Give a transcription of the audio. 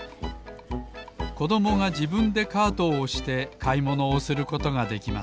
こどもがじぶんでカートをおしてかいものをすることができます